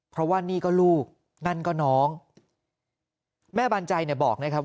เพราะว่านี่ก็ลูกนั่นก็น้องแม่บานใจเนี่ยบอกนะครับ